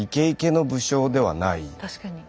確かに。